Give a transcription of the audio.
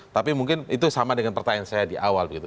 tapi mungkin itu sama dengan pertanyaan saya di awal begitu